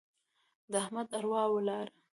د احمد اروا ولاړه.